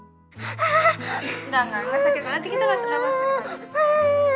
udah enggak enggak sakit lagi kita enggak sakit lagi